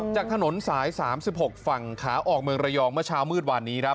จากถนนสาย๓๖ฝั่งขาออกเมืองระยองเมื่อเช้ามืดวันนี้ครับ